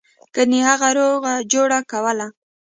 ګنې هغه روغه جوړه کوله.